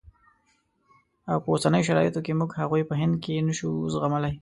او په اوسنیو شرایطو کې موږ هغوی په هند کې نه شو زغملای.